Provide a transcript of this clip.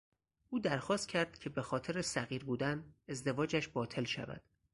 او درخواست کرد که به خاطر صغیر بودن، ازدواجش باطل شود.